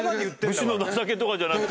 「武士の情け」とかじゃなくて。